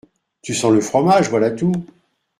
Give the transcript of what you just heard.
Tu sens le fromage, voilà tout !